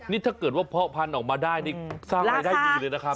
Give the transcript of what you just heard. นี่ถ้าเกิดว่าเพาะพันธุ์ออกมาได้นี่สร้างรายได้ดีเลยนะครับ